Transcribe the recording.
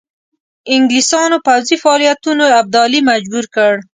انګلیسیانو پوځي فعالیتونو ابدالي مجبور کړ.